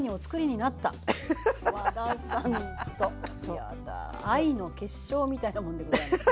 やだ愛の結晶みたいなもんでございますね。